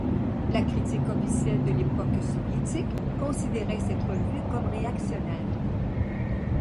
La critique officielle de l'époque soviétique considérait cette revue comme réactionnaire.